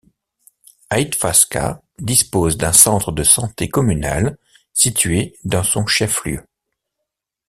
Aït Faska dispose d'un centre de santé communal situé dans son chef-lieu.